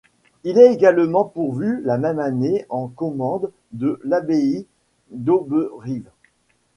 Il est également pourvu la même année en commende de l'abbaye d'Auberive.